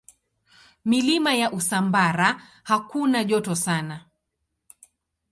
Milima ya Usambara hakuna joto sana.